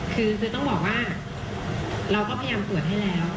คือต้องบอกว่าเราก็พยายามตรวจให้แล้ว